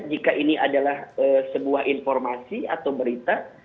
jika ini adalah sebuah informasi atau berita